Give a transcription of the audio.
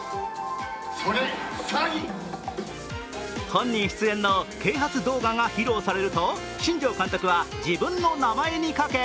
本人出演の啓発動画が披露されると新庄監督は、自分の名前にかけ